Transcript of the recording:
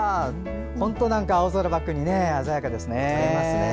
本当、青空バックで鮮やかですね。